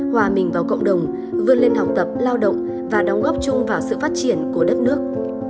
hòa mình vào cộng đồng vươn lên học tập lao động và đóng góp chung vào sự phát triển của đất nước